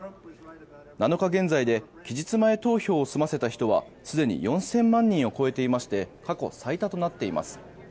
７日現在で期日前投票を済ませた人はすでに４０００万人を超えていまして過去最多となっています。